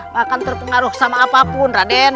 bahkan terpengaruh sama apapun raden